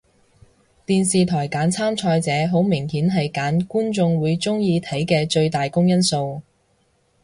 電視台揀參賽者好明顯係揀觀眾會鍾意睇嘅最大公因數